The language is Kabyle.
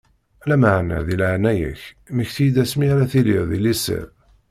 Lameɛna, di leɛnaya-k, mmekti-yi-d ass mi ara tiliḍ di liser.